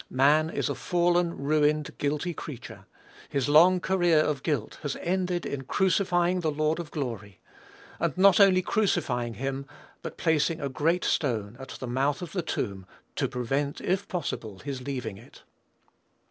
Man is a fallen, ruined, guilty creature. His long career of guilt has ended in crucifying the Lord of glory; and not only crucifying him, but placing a great stone at the mouth of the tomb, to prevent, if possible, his leaving it.